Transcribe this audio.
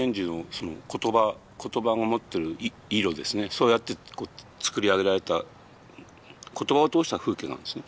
そうやって作り上げられた言葉を通した風景なんですね。